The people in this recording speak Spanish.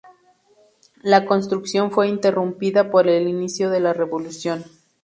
La construcción fue interrumpida por el inicio de la revolución.